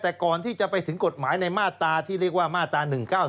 แต่ก่อนที่จะไปถึงกฎหมายในมาตรตัว๑๙๓